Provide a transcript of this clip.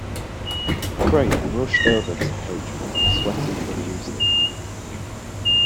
Graham rushed over to H block, sweating profusely.